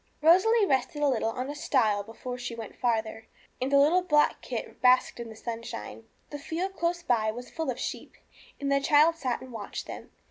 Rosalie rested a little on a stile before she went farther, and the little black kit basked in the sunshine. The field close by was full of sheep, and the child sat and watched them.